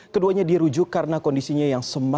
keduanya dirujuk karena kondisinya yang semakin kritis